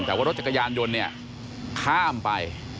แต่ว่ารถจักรยานยนต์เนี่ยข้ามไป